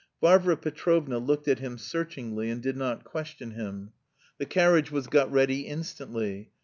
Varvara Petrovna looked at him searchingly and did not question him. The carriage was got ready instantly.